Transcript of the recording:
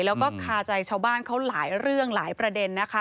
แล้วก็คาใจชาวบ้านเขาหลายเรื่องหลายประเด็นนะคะ